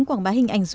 quảng bá hình ảnh dựng